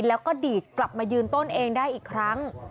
แล้วก็ดีดกลับมายืนต้นเองได้อีกครั้ง